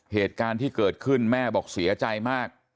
เหตุการณ์ที่เกิดขึ้นแม่บอกเสียใจมาก